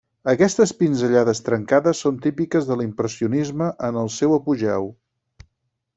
Aquestes pinzellades trencades són típiques de l'impressionisme en el seu apogeu.